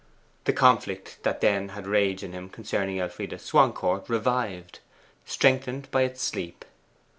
The conflict that then had raged in him concerning Elfride Swancourt revived, strengthened by its sleep.